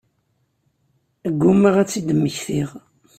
Ggumaɣ ad t-id-mmektiɣ.